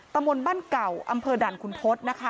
ตำบลบ้านเก่าอำเภอด่านคุณทศนะคะ